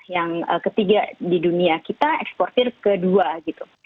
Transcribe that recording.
yang ketiga di dunia kita eksportir kedua gitu